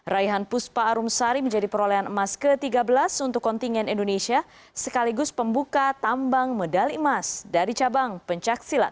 raihan puspa arumsari menjadi perolehan emas ke tiga belas untuk kontingen indonesia sekaligus pembuka tambang medali emas dari cabang pencaksilat